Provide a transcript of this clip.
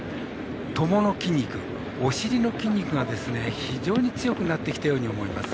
トモの筋肉お尻の筋肉が非常に強くなってきたように思います。